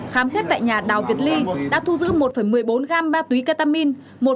khám xét tại nhà đào việt ly đã thu giữ một một mươi bốn gam ma túy ketamin